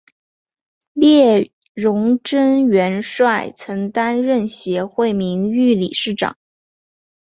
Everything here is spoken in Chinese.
聂荣臻元帅曾担任协会名誉理事长。